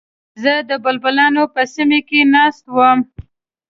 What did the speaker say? زه د بلبلانو په سیمه کې ناست وم.